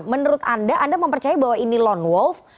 menurut anda anda mempercaya bahwa ini lone wolf